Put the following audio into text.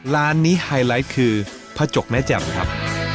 ร้านนี้ไฮไลท์คือผ้าจกแม่แจ่มครับ